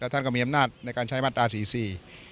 ท่านก็มีอำนาจในการใช้มาตราสี่สี่